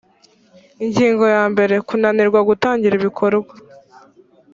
ingingo ya mbere kunanirwa gutangira ibikorwa